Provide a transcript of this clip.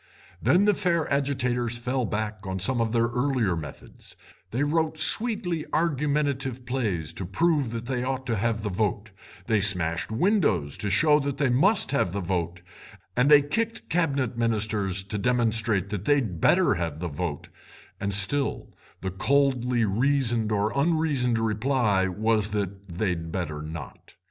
Then the fair agitators fell back on some of their earlier methods; they wrote sweetly argumentative plays to prove that they ought to have the vote, they smashed windows to show that they must have the vote, and they kicked Cabinet Ministers to demonstrate that they'd better have the vote, and still the coldly reasoned or unreasoned reply was that they'd better not.